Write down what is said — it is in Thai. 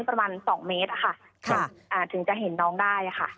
ประมาณ๒เมตรอะค่ะถึงจะเห็นน้องได้ค่ะ